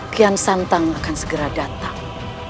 kian santang akan segera datang